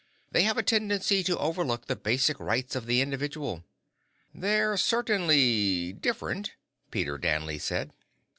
They have a tendency to overlook the basic rights of the individual." "They're certainly different," Peter Danley said.